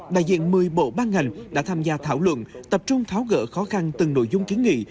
đại diện một mươi bộ ban ngành đã tham gia thảo luận tập trung tháo gỡ khó khăn từng nội dung kiến nghị